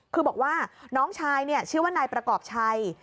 คือบอกว่าน้องชายชื่อว่านายประกอบชัย